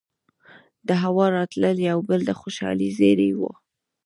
دهوا راتلل يو بل د خوشالۍ زېرے وو